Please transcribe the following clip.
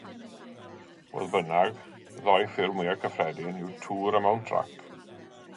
Fodd bynnag, y ddau ffurf mwyaf cyffredin yw tŵr a mownt-rac.